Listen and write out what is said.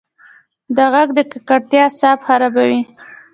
د غږ ککړتیا اعصاب خرابوي.